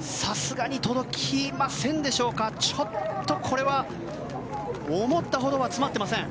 さすがに届きませんでしょうかちょっとこれは思ったほどは詰まっていません。